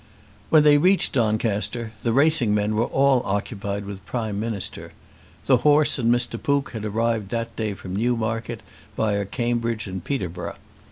When they reached Doncaster the racing men were all occupied with Prime Minister. The horse and Mr. Pook had arrived that day from Newmarket, via Cambridge and Peterborough.